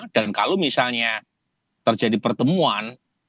dan kalau misalnya terjadi pertemuan